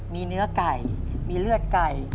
มีเนื้อไก่มีเลือดไก่